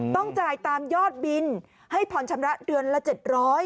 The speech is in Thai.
ต้องจ่ายตามยอดบินให้ผ่อนชำระเดือนละ๗๐๐บาท